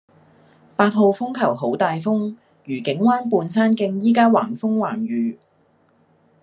八號風球好大風，愉景灣畔山徑依家橫風橫雨